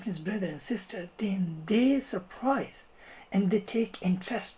dan mereka berinteres untuk belajar lebih banyak tentang islam